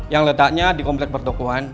yang letaknya di komplek pertokohan